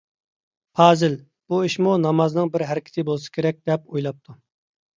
پازىل «بۇ ئىشمۇ نامازنىڭ بىر ھەرىكىتى بولسا كېرەك» دەپ ئويلاپتۇ.